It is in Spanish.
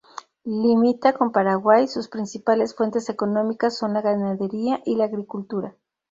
Limita con Paraguay, sus principales fuentes económicas son la ganadería y la agricultura.